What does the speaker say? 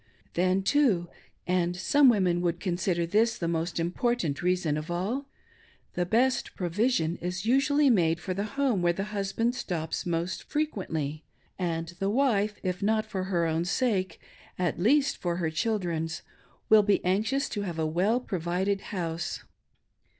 Then, too — and some women would consider this the most important reason of all— the best provision is usually made for the home where the husband stops most fre quently; and the wife, if not for her own sake, at least for her 4^2 THE "female relief SOCIETY." children's, will be anxious to have a well provided house.